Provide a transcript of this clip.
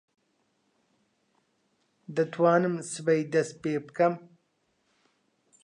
دەتوانم سبەی دەست پێ بکەم.